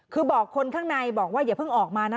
คือบอกคนข้างในอย่าเพิ่งออกมาละ